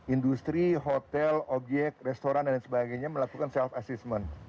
industri hotel obyek restoran dan sebagainya melakukan self assessment